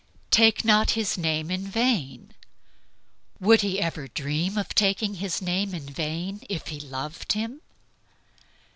"Take not His name in vain." Would he ever dream of taking His name in vain if he loved him?